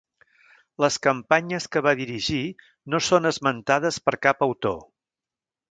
Les campanyes que va dirigir no són esmentades per cap autor.